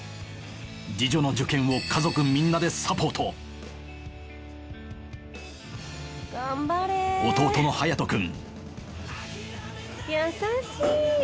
二女の受験を家族みんなでサポート弟の隼くん優しい！